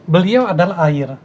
beliau adalah air